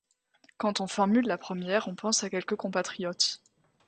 Quand on formule la première on pense à quelque compatriote.